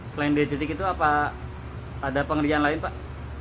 selain dua titik itu apa ada pengerjaan lain pak